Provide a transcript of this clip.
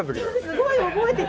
すごい覚えてて。